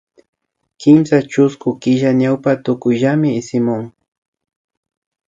Kimsa chusku killa ñawpa tukuyllami ismun